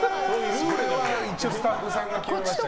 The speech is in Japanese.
一応、スタッフさんが決めましたけど。